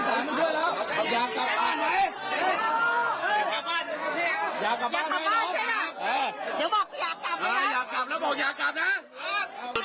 เฮ้ยไอ้น้อง